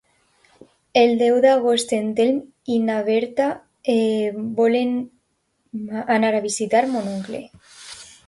El deu d'agost en Telm i na Berta volen anar a visitar mon oncle.